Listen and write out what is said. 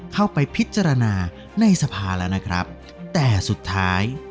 เข้าไปพิจารณาในสภาแล้วนะครับแต่สุดท้าย